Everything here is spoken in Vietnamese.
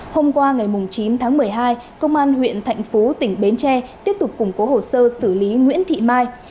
hôm qua ngày chín tháng một mươi hai công an huyện thạnh phú tỉnh bến tre tiếp tục củng cố hồ sơ xử lý nguyễn thị mai